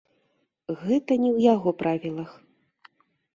Гэта не ў яго правілах.